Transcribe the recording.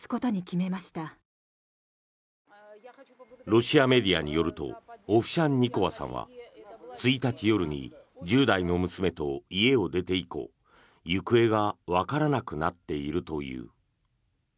ロシアメディアによるとオフシャンニコワさんは１日夜に１０代の娘と家を出て以降行方がわからなくなっているという。